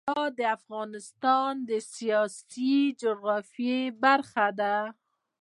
پکتیکا د افغانستان د سیاسي جغرافیه برخه ده.